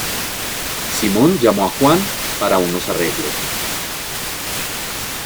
Simón llamó a Juan, para unos arreglos.